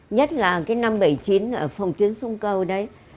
nhất là cái năm bảy mươi chín ở phòng tuyến xuân cầu đấy